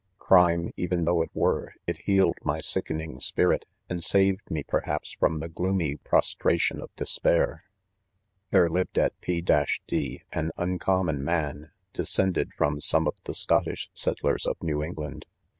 Crime, even though it were, it healed my sickening spirit, and sav ecLme r jiei haps 3 from the gloomy prostration of des pair. c §0 IBOMEN. { There lived at P —.—^ d an uncommon man, descended from some of the Scottish settlers of New England.